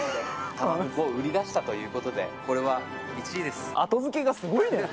たま麩を売り出したということで、これは１位です。